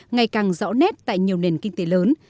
ngày càng rõ nét tại nhiều nền kinh tế lớn